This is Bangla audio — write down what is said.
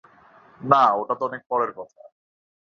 না, ওটা তো পরের কথা।